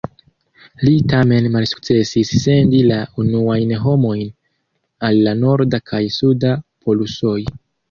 Li tamen malsukcesis sendi la unuajn homojn al la norda kaj suda polusoj.